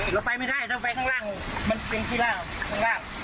เราไปไม่ได้ถ้าไปข้างล่างมันเป็นขี้ลาบข้างราบ